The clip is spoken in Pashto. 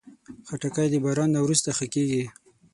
خټکی د باران نه وروسته ښه کېږي.